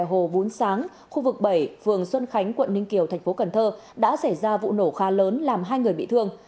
tại hồ bún sáng khu vực bảy phường xuân khánh quận ninh kiều thành phố cần thơ đã xảy ra vụ nổ khá lớn làm hai người bị thương